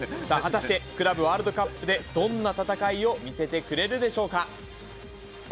果たしてクラブワールドカップでどんな戦いを見せてくれるでしょうか？